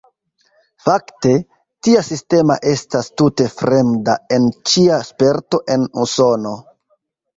Fakte, tia sistema estas tute fremda en ĉia sporto en Usono.